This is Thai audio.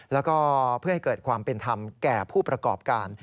แล้วก็เพื่อให้เกิดความเป็นธรรมแก่ผู้ประกอบการ